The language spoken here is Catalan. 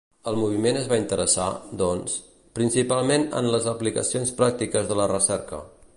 El moviment es va interessar, doncs, principalment en les aplicacions pràctiques de la recerca.